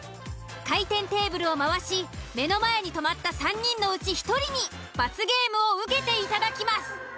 回転テーブルを回し目の前に止まった３人のうち１人に罰ゲームを受けていただきます。